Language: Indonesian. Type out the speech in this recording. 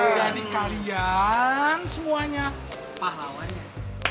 jadi kalian semuanya pahlawannya